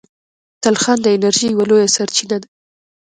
تلخان د انرژۍ یوه لویه سرچینه ده.